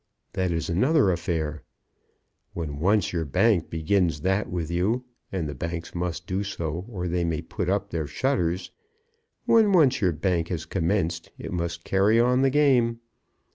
That is another affair. When once your bank begins that with you, and the banks must do so, or they may put up their shutters, when once your bank has commenced, it must carry on the game.